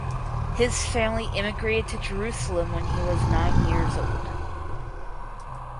His family immigrated to Jerusalem when he was nine years old.